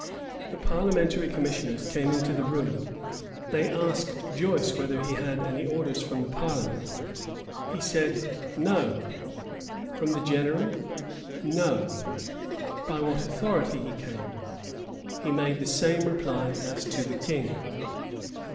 [*] The parliamentary commissioners came into the room: they asked Joyce whether he had any orders from the parliament? he said, "No;" from the general? "No;" by what authority he came? he made the same reply as to the king.